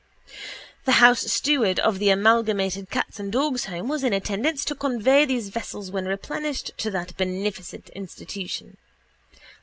The housesteward of the amalgamated cats' and dogs' home was in attendance to convey these vessels when replenished to that beneficent institution.